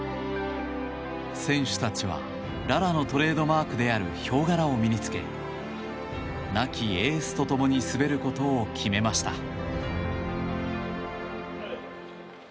選手たちはララのトレードマークであるヒョウ柄を身に着け亡きエースと共に滑ることを決めました。